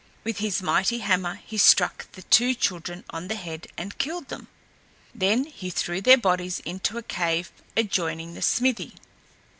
With his mighty hammer he struck the two children on the head and killed them. Then he threw their bodies into a cave adjoining the smithy.